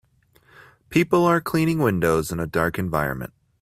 people are cleaning windows in a dark environment